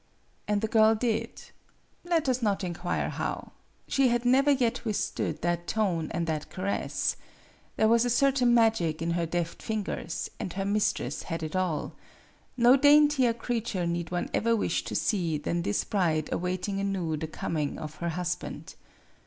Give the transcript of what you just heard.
And the girl did. Let us not inquire how. She had never yet withstood that tone and that caress. There was a certain magic in her deft fingers, and her mistress had it all. No daintier creature need one ever wish to see than this bride awaiting anew the com ing of her husband.